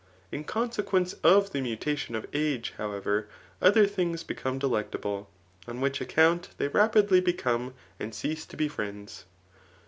In consequence of the mutation of age, however, other things become delectable ; on which account they rapidly become and cease to be friends.